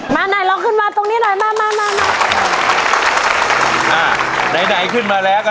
มาไหนลองขึ้นมาตรงนี้หน่อยมามามาอ่าไหนไหนขึ้นมาแล้วก็